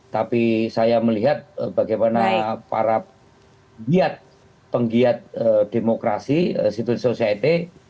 tapi saya melihat bagaimana para penggiat demokrasi situs society